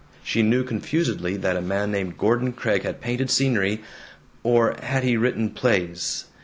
She knew confusedly that a man named Gordon Craig had painted scenery or had he written plays?